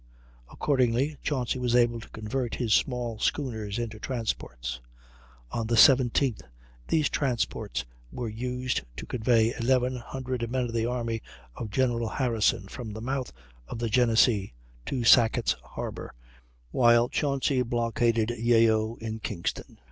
Accordingly, Chauncy was able to convert his small schooners into transports. On the 17th these transports were used to convey 1,100 men of the army of General Harrison from the mouth of the Genesee to Sackett's Harbor, while Chauncy blockaded Yeo in Kingston.